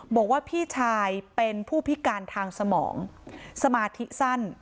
บอกว่าพี่ชายเป็นผู้พิการทางสมองสมาธิสั้น